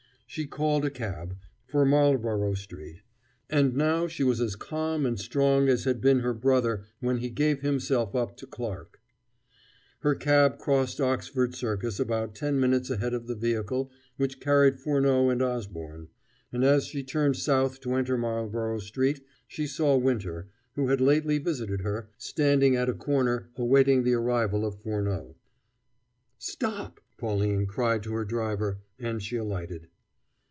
She called a cab for Marlborough Street; and now she was as calm and strong as had been her brother when he gave himself up to Clarke. Her cab crossed Oxford Circus about ten minutes ahead of the vehicle which carried Furneaux and Osborne; and as she turned south to enter Marlborough Street, she saw Winter, who had lately visited her, standing at a corner awaiting the arrival of Furneaux. "Stop!" Pauline cried to her driver: and she alighted.